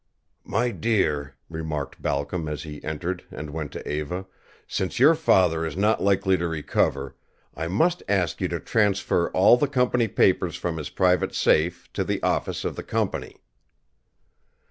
"My dear," remarked Balcom as he entered and went to Eva, "since your father is not likely to recover, I must ask you to transfer all the company papers from his private safe to the office of the company."